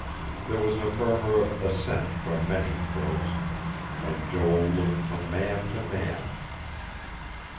There was a murmur of assent from many throats; and Joel looked from man to man.